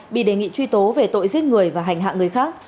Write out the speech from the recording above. bị đề nghị truy tố về tội giết người và hành hạ người khác